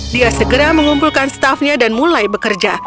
dia segera mengumpulkan staffnya dan mulai bekerja